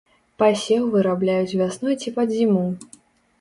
Пасеў вырабляюць вясной ці пад зіму.